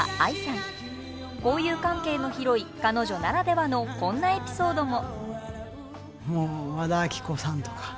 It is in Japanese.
交友関係の広い彼女ならではのこんなエピソードも。